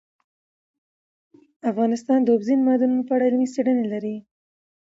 افغانستان د اوبزین معدنونه په اړه علمي څېړنې لري.